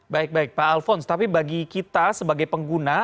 baik baik pak alphonse tapi bagi kita sebagai pengguna